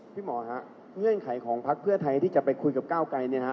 พี่หมอฮะเงื่อนไขของพักเพื่อไทยที่จะไปคุยกับก้าวไกรเนี่ยนะฮะ